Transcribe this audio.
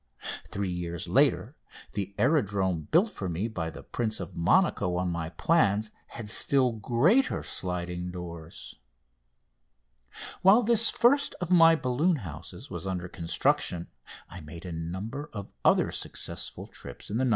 Three years later the aerodrome built for me by the Prince of Monaco on my plans had still greater sliding doors. While this first of my balloon houses was under construction, I made a number of other successful trips in the "No.